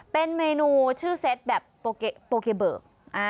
เป็นเมนูชื่อเซตแบบโปเกเบิก